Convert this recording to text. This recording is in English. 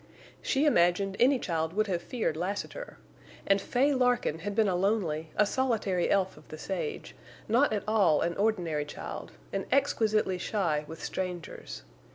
She imagined any child would have feared Lassiter. And Fay Larkin had been a lonely, a solitary elf of the sage, not at all an ordinary child, and exquisitely shy with strangers.